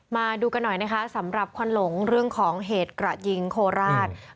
มาดูกันหน่อยนะคะสำหรับควันหลงเรื่องของเหตุกระยิงโคราช